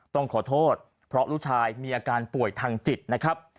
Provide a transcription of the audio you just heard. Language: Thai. ต้องขอโทษเพราะลูกชายมีอาการป่วยทางจิตนะครับ